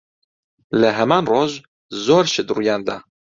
لە هەمان ڕۆژ، زۆر شت ڕوویان دا.